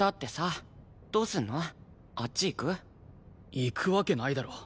行くわけないだろ。